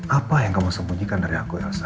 apa yang kamu sembunyikan dari aku elsa